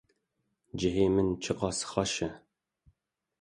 Cihê min çiqas xweş e